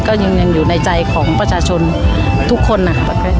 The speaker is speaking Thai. ก็ยังอยู่ในใจของประชาชนทุกคนนะคะ